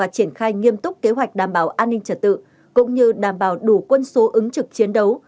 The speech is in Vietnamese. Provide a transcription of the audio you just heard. triển khai nghiêm túc kế hoạch đảm bảo an ninh trật tự cũng như đảm bảo đủ quân số ứng trực chiến đấu